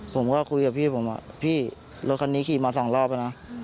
ผมก็คุยกับพี่ผมว่าพี่รถคันนี้ขี่มาสองรอบแล้วนะ